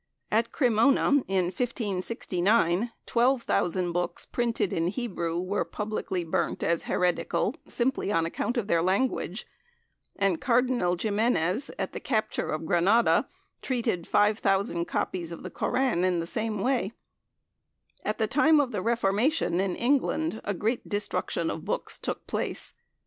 At Cremona, in 1569, 12,000 books printed in Hebrew were publicly burnt as heretical, simply on account of their language; and Cardinal Ximenes, at the capture of Granada, treated 5,000 copies of the Koran in the same way. At the time of the Reformation in England a great destruction of books took place.